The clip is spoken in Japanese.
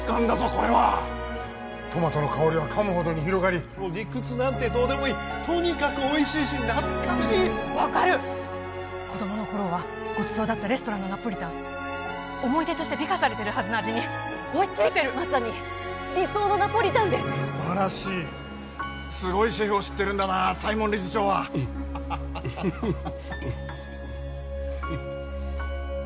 これは・トマトの香りは噛むほどに広がり理屈なんてどうでもいいとにかくおいしいし懐かしい分かる子どもの頃はごちそうだったレストランのナポリタン思い出として美化されてるはずの味に追いついてるまさに理想のナポリタンです素晴らしいすごいシェフを知ってるんだな西門理事長はウフフフ